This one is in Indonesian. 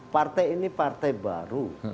partai ini partai baru